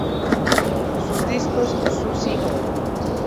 Sus discos "Susy Oh!